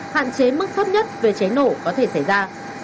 hạn chế mức thấp nhất về cháy nổ có thể xảy ra